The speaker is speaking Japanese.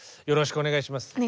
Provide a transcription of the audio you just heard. よろしくお願いします。